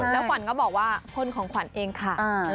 แล้วขวัญก็บอกว่าพ่นของขวัญเองค่ะ